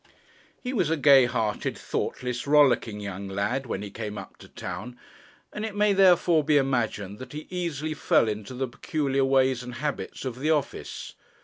He was a gay hearted, thoughtless, rollicking young lad, when he came up to town; and it may therefore be imagined that he easily fell into the peculiar ways and habits of the office.